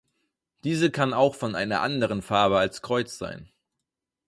Diese kann auch von einer anderen Farbe als Kreuz sein.